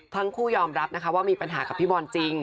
ทั้งคู่ยอมรับนะคะว่ามีปัญหากับพี่บอลจริง